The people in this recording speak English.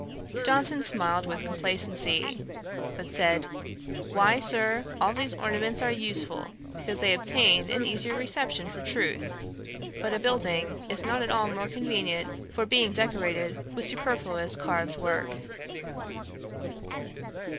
Johnson smiled with complacency; but said, 'Why, Sir, all these ornaments are useful, because they obtain an easier reception for truth; but a building is not at all more convenient for being decorated with superfluous carved work.'